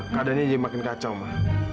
keadaannya jadi makin kacau lah